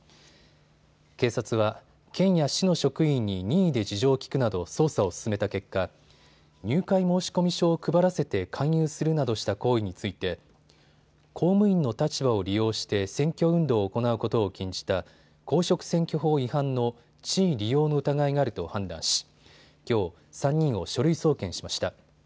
警察は県や市の職員に任意で事情を聴くなど捜査を進めた結果、入会申込書を配らせて勧誘するなどした行為について公務員の立場を利用して選挙運動を行うことを禁じた公職選挙法違反の地位利用の疑いがあると判断し、きょう３人を書類送検しました。